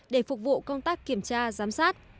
để phục vụ công tác kiểm tra giám sát